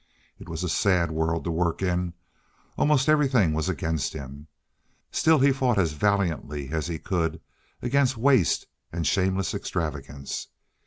It was a sad world to work in. Almost everything was against him. Still he fought as valiantly as he could against waste and shameless extravagance.